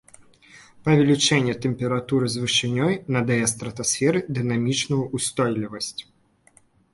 Павелічэнне тэмпературы з вышынёю надае стратасферы дынамічную ўстойлівасць.